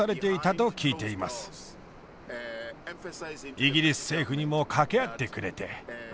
イギリス政府にも掛け合ってくれて。